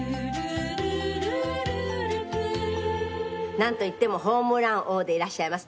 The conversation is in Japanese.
なんといってもホームラン王でいらっしゃいます